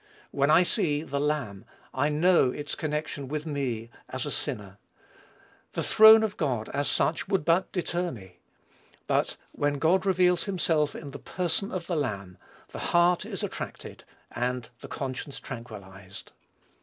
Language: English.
When I see the Lamb, I know its connection with me as a sinner. "The throne of God," as such, would but deter me; but when God reveals himself in the Person of the Lamb, the heart is attracted, and the conscience tranquillized.